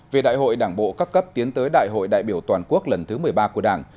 về đại hội đảng bộ các cấp tiến tới đại hội đại biểu toàn quốc lần thứ một mươi ba của đảng